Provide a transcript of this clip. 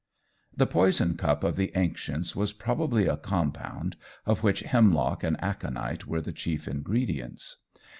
The poison cup of the ancients was probably a compound, of which hemlock and aconite were the chief ingredients.